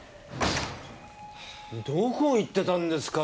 どこ行ってたんですか！？